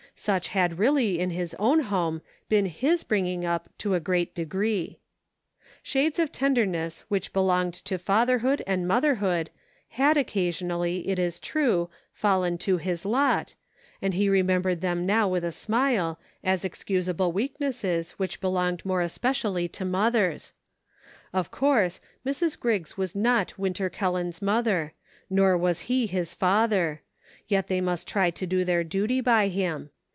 Such had really in his own home been his bringing up to a great degree. Shades of tenderness which belonged to father hood and motherhood had occasionally, it is true, fallen to his lot, and he remembered them now with a smile, as excusable weaknesses which be longed more especially to mothers ; of course, Mrs. Griggs was not Winter Kelland's mother, nor was he his father ; yet they must try to do their duty by him.